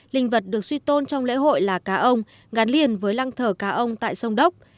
linh vật được suy tôn trong lễ hội là cá ông gắn liền với lăng thờ cá ông tại sông đốc